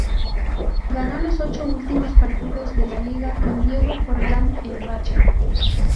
Ganó los ocho últimos partidos de la Liga, con Diego Forlán en racha.